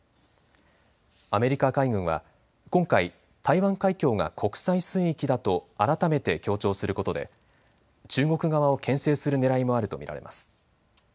アメリカ海軍は今回、台湾海峡が国際水域だと改めて強調することで中国側をけん制するねらいもあると見られます。